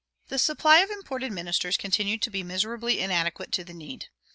The supply of imported ministers continued to be miserably inadequate to the need.